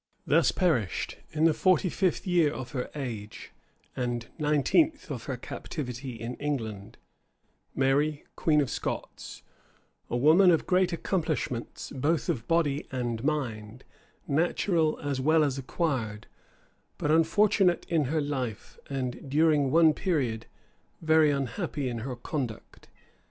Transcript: Thus perished, in the forty fifth year of her age, and nineteenth of her captivity in England, Mary, queen of Scots; a woman of great accomplishments both of body and mind, natural as well as acquired; but unfortunate in her life, and during one period very unhappy in her conduct.